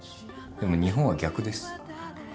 でも日本は逆です。